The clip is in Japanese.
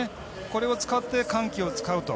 これを使って緩急を使うと。